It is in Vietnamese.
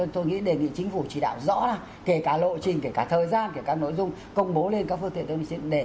tôi nghĩ đề nghị chính phủ chỉ đạo rõ ràng kể cả lộ trình kể cả thời gian kể cả nội dung công bố lên các phương tiện để dân giám sát